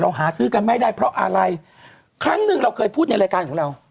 หาซื้อกันไม่ได้เพราะอะไรครั้งหนึ่งเราเคยพูดในรายการของเรา